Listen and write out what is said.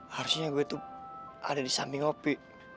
harusnya gue tuh ada di samping opi